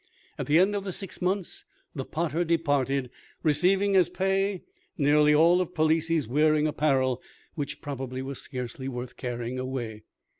At the end of the six months the potter departed, receiving, as pay, nearly all Palissy's wearing apparel, which probably was scarcely worth carrying away.